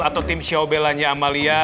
atau tim syawbelanya amalia